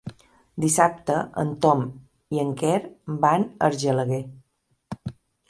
Dissabte en Tom i en Quer van a Argelaguer.